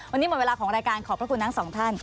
วันนี้หมดเวลาของรายการขอบพระคุณทั้งสองท่าน